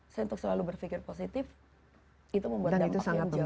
saya untuk selalu berpikir positif itu membuat dampak yang jauh